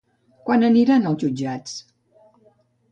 Quan aniran als jutjats?